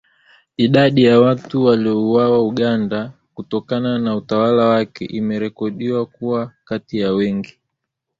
Idadi ya watu waliouawa Uganda kutokana na utawala wake imekadiriwa kuwa kati ya wengi